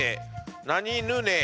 「なにぬね」